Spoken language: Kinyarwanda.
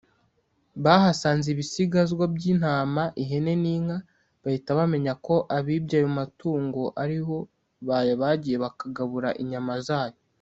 bahasanze ibisigazwa by’ intama, ihene n’inka bahita bamenya ko abibye ayo matungo ariho bayabagiye bakagabura inyama zayo.